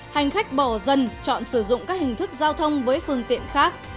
hành khách bỏ dần chọn sử dụng các hình thức giao thông với phương tiện khác